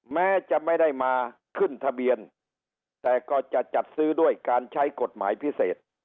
แม้จะไม่ได้มาขึ้นทะเบียนแต่ก็จะจัดซื้อด้วยการใช้กฎหมายพิเศษ